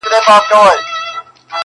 په یوه ژبه ږغېږي سره خپل دي؛